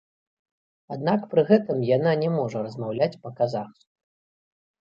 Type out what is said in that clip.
Аднак пры гэтым яна не можа размаўляць па-казахску.